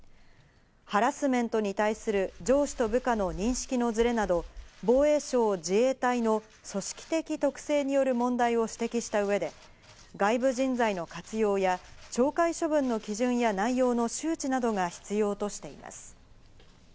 ハラスメントに対する上司と部下の認識のずれなど、防衛省・自衛隊の組織的特性による問題を指摘した上で、外部人材の活用や懲戒処分の基準や内容の周知などが必要としています。